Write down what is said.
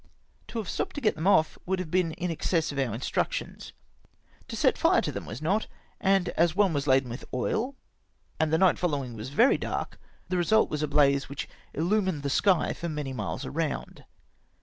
To have stopped to get them off would have been in excess of our instructions. To set fire to them was not, and as one was laden with oil, and the night following very dark, the result was a blaze which illumined the sky for many miles round.